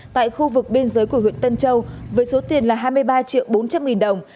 tại khu vực biên giới của huyện tân châu với số tiền là hai mươi ba triệu bốn trăm linh nghìn đồng